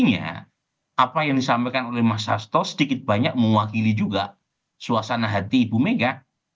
sebenarnya apa yang disampaikan oleh mas hasto sedikit banyak mewakili juga suasana hati ibu mega